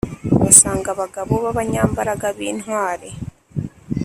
Basanga abagabo b abanyambaraga b intwari